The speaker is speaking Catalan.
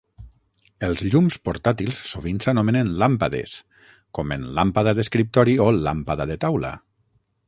Els llums portàtils sovint s'anomenen "làmpades", com en làmpada d'escriptori o làmpada de taula.